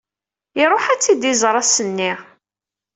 Iruḥ ad tt-id-iẓer ass-nni.